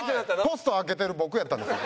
ポスト開けてる僕やったんです。